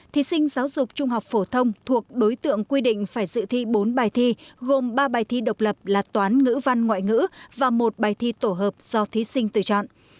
thí sinh giáo dục trung học phổ thông thuộc đối tượng quy định phải dự thi bốn bài thi gồm ba bài thi độc lập là toán ngữ văn ngoại ngữ và một bài thi tổ hợp do thí sinh tự chọn